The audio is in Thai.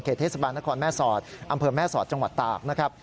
เทศบาลนครแม่สอดอำเภอแม่สอดจังหวัดตากนะครับ